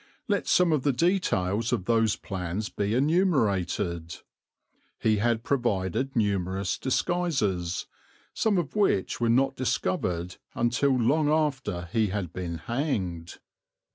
Let some of the details of those plans be enumerated. He had provided numerous disguises, some of which were not discovered until long after he had been hanged.